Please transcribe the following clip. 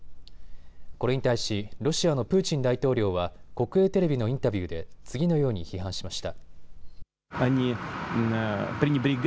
これに対しロシアのプーチン大統領は国営テレビのインタビューで次のように批判しました。